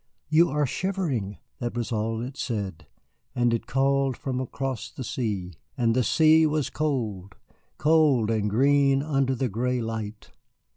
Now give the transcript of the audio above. "You are shivering." That was all it said, and it called from across the sea. And the sea was cold, cold and green under the gray light.